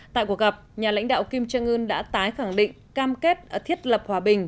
tại cuộc gặp nhà lãnh đạo kim trương ưn đã tái khẳng định cam kết thiết lập hòa bình